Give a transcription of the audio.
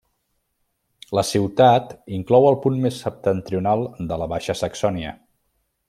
La ciutat inclou el punt més septentrional de la Baixa Saxònia.